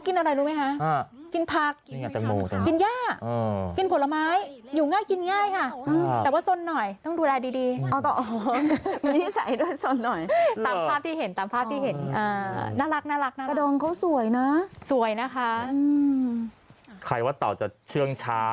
ใครว่าเต่าจะเชื่องช้า